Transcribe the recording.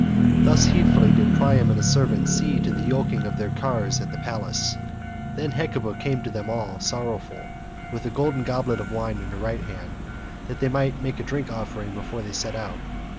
Thus heedfully did Priam and his servant see to the yolking of their cars at the palace. Then Hecuba came to them all sorrowful, with a golden goblet of wine in her right hand, that they might make a drink offering before they set out.